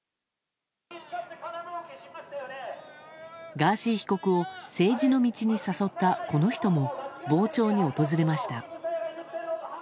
ガーシー被告を政治の道に誘った、この人も傍聴に訪れました。